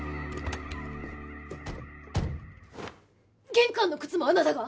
玄関の靴もあなたが！？